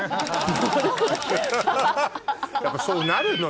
やっぱそうなるのよ。